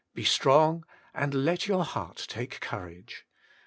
Be strong, and let your heart take courage.